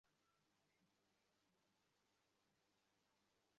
ওখানে, পশ্চিম পাশে।